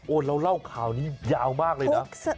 เราเล่าข่าวนี้ยาวมากเลยนะ